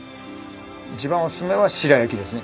一番おすすめは白焼きですね。